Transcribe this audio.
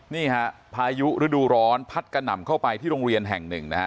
นี่ฮะพายุฤดูร้อนพัดกระหน่ำเข้าไปที่โรงเรียนแห่งหนึ่งนะฮะ